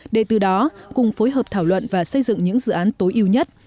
để từ đó cùng phối hợp thảo luận và xây dựng những dự án tối ưu nhất